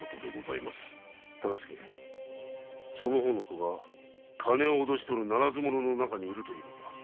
その方の子が金を脅し取るナラズ者の中に居るというのか？